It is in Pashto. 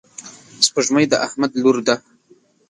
سپوږمۍ د احمد لور ده.